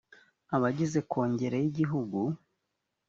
abagize kongere y igihugu